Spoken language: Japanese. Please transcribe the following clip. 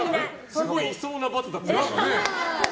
すごい、いそうな×だった。